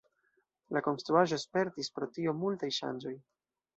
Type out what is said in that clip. La konstruaĵo spertis pro tio multaj ŝanĝoj.